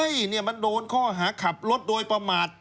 นี่มันโดนข้อหาขับรถโดยประมาท